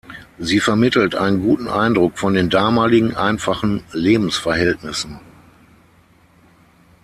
Sie vermittelt einen guten Eindruck von den damaligen, einfachen Lebensverhältnissen.